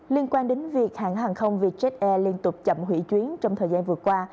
liên quan đến việc hãng hàng không vietjet air liên tục chậm hủy chuyến trong thời gian vừa qua